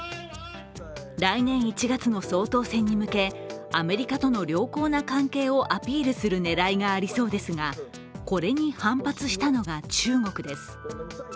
来年１月の総統選に向け、アメリカとの良好な関係をアピールする狙いがありそうですがこれに反発したのが中国です。